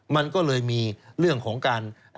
มันก็เลยมีเรื่องของการ